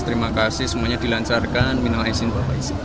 terima kasih semuanya dilancarkan minum air sini bapak isi